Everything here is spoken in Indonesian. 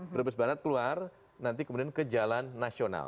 brebes barat keluar nanti kemudian ke jalan nasional